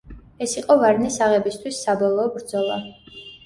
ეს იყო ვარნის აღებისთვის საბოლოო ბრძოლა.